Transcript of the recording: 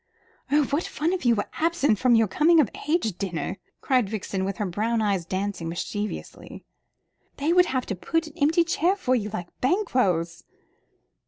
"Oh, what fun if you were absent at your coming of age dinner!" cried Vixen, with her brown eyes dancing mischievously. "They would have to put an empty chair for you, like Banquo's."